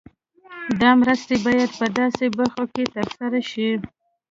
دا مرستې باید په داسې برخو کې تر سره شي.